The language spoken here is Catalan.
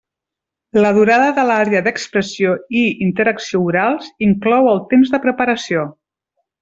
La durada de l'Àrea d'Expressió i Interacció Orals inclou el temps de preparació.